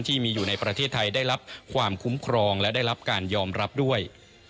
ที่มีอยู่ในประเทศไทยได้รับความคุ้มครองและได้รับการยอมรับด้วย